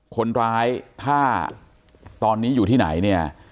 คนร้ายถ้าตอนนี้อยู่ที่ไหนเนี่ย